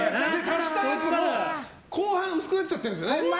足したやつも後半薄くなっちゃってるんですよね。